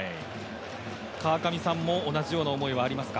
川上さんも同じような思いはありますか。